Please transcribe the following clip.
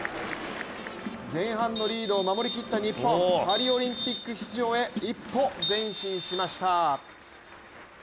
前半のリードを守り切った日本、パリオリンピック出場へ一歩前進しました。